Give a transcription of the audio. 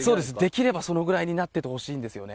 できればそのぐらいになっててほしいんですよね。